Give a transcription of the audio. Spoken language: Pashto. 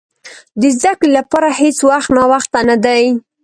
د زده کړې لپاره هېڅ وخت ناوخته نه دی.